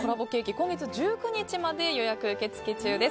今月１９日まで予約受付中です。